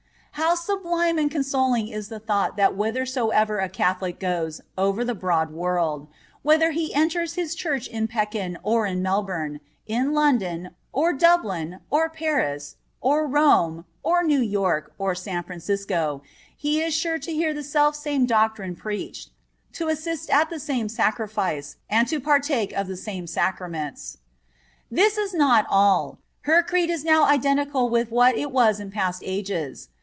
How sublime and consoling is the thought that whithersoever a Catholic goes over the broad world, whether he enters his Church in Pekin or in Melbourne, in London, or Dublin, or Paris, or Rome, or New York, or San Francisco, he is sure to hear the self same doctrine preached, to assist at the same sacrifice, and to partake of the same sacraments. This is not all. Her Creed is now identical with what it was in past ages.